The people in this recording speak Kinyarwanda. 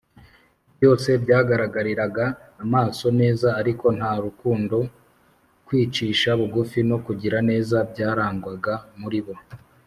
byose byagaragariraga amaso neza, ariko nta rukundo, kwicisha bugufi no kugira neza byarangwaga muri bo